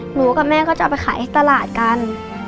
หนูกับแม่ก็จะเอาไปขายให้ตลาดกัน